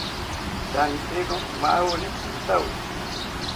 Rantziro nowani antawo